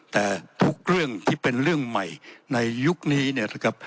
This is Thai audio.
แต่ทุกเรื่องที่เป็นเรื่องใหม่ในยุคนี้เนี่ยนะครับ